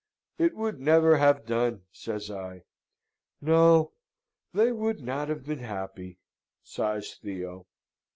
"It would never have done," says I. "No they would not have been happy," sighs Theo.